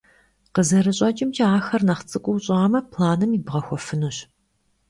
КъызэрыщӀэкӀымкӀэ, ахэр нэхъ цӀыкӀуу щӀамэ, планым ибгъэхуэфынущ.